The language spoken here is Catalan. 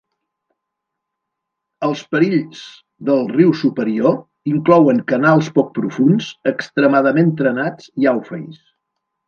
Els perills del riu superior inclouen canals poc profunds, extremadament trenats i aufeis.